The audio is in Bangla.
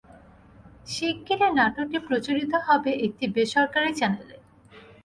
শিগগিরই নাটকটি প্রচারিত হবে একটি বেসরকারি চ্যানেলে।